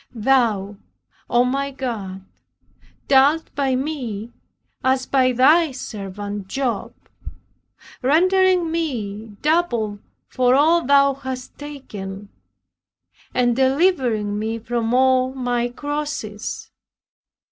Thou, O my God, dealt by me as by thy servant Job, rendering me double for all thou hadst taken, and delivering me from all my crosses.